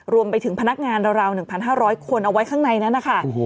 รวมไปถึงพนักงานราว๑๕๐๐คนเอาไว้ข้างในนั้นนะคะ